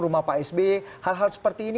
rumah pak sby hal hal seperti ini